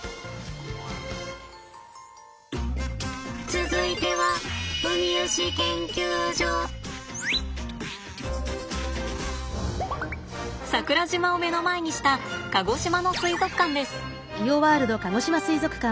続いては桜島を目の前にした鹿児島の水族館です。